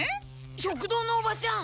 食堂のおばちゃん。